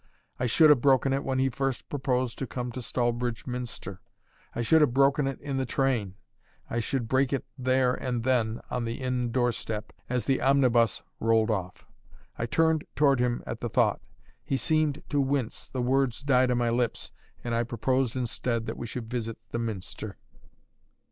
I should have broken it when he first proposed to come to Stallbridge Minster; I should have broken it in the train; I should break it there and then, on the inn doorstep, as the omnibus rolled off. I turned toward him at the thought; he seemed to wince, the words died on my lips, and I proposed instead that we should visit the Minster.